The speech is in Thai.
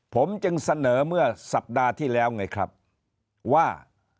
ผมจึงเสนอเมื่อสัปดาห์ที่แล้วไงครับว่า